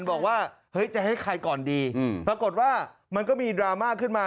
บอกว่าเฮ้ยจะให้ใครก่อนดีปรากฏว่ามันก็มีดราม่าขึ้นมา